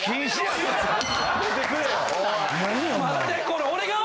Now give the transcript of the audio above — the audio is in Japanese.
これ。